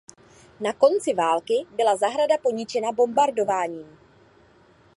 Na konci války byla zahrada poničena bombardováním.